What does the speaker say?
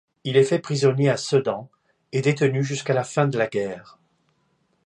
Il est fait prisonnier à Sedan et détenu jusqu'à la fin de la guerre.